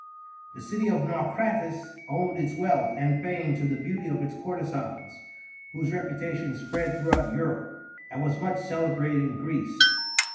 The city of Naucratis owed its wealth and fame to the beauty of its courtesans, whose reputation spread throughout Europe, and was much celebrated in Greece.